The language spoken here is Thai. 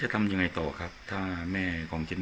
เขาก็จะแจ้งว่าจะจ่ายสองล้าน